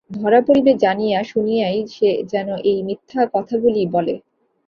ধরা পড়িবে জানিয়া শুনিয়াই সে যেন এই মিথ্যাকথাগুলি বলে।